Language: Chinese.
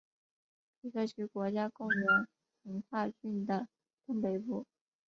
皮克区国家公园横跨郡的东北部。